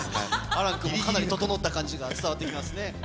亜嵐君もかなり整った感じが伝わってきますね。